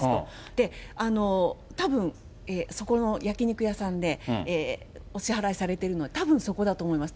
で、たぶん、そこの焼き肉屋さんでお支払いされているので、たぶんそこだと思います。